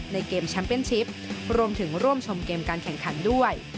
เกมแชมป์เป็นชิปรวมถึงร่วมชมเกมการแข่งขันด้วย